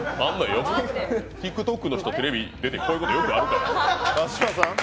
ＴｉｋＴｏｋの人テレビに出てこういうことよくあるから。